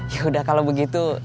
yaudah kalau begitu